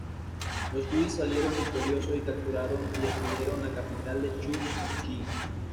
Los Wu salieron victoriosos y capturaron y destruyeron la capital de Chu, Ying.